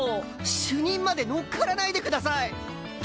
主任までのっからないでください！